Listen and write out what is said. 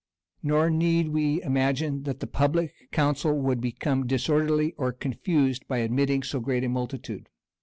Nor need we imagine that the public council would become disorderly or confused by admitting so great a multitude.